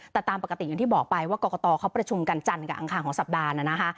แต่ตามปกติอย่างที่บอกไปว่ากรกตเขาประชุมกันจันทร์กับอังคารของสัปดาห์น่ะนะคะ